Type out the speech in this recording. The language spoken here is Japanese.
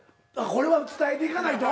これは伝えていかないと？